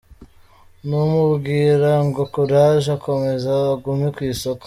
Namubwira ngo courage akomeze agume ku isoko.